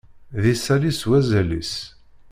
D isalli s wazal-is.